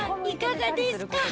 いかがですか？